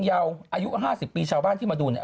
เอาให้พระยานาทิ์ไหว้มั้ง